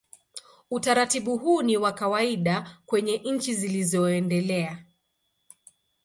Utaratibu huu ni wa kawaida kwenye nchi zilizoendelea.